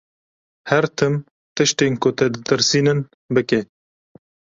Her tim tiştên ku te ditirsînin, bike.